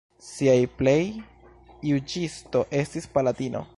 Siaj plej juĝisto estis palatino.